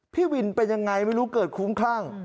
พี่วินเป็นยังไงไม่รู้เกิดคุ้มคลั่ง